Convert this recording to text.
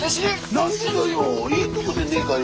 何でだよ